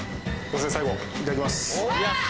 最後いただきます。